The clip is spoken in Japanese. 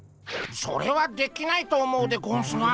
それはできないと思うでゴンスが。